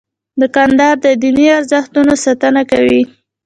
دوکاندار د دیني ارزښتونو ساتنه کوي.